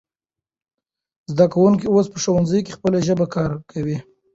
زده کوونکی اوس په ښوونځي کې خپله ژبه کارکوي.